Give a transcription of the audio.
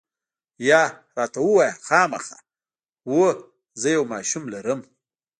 یا، راته ووایه، خامخا؟ هو، زه یو ماشوم لرم.